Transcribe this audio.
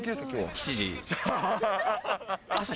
７時。